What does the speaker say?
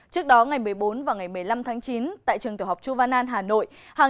trước đó ngày một mươi bốn và ngày một mươi năm tháng chín tại trường tiểu học chu văn an hà nội